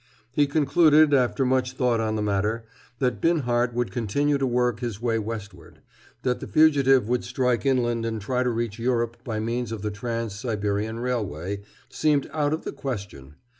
He concluded, after much thought on the matter, that Binhart would continue to work his way westward. That the fugitive would strike inland and try to reach Europe by means of the Trans Siberian Railway seemed out of the question.